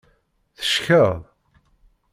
Teckeḍ.